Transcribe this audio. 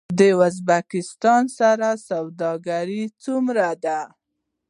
د ازبکستان سره سوداګري څومره ده؟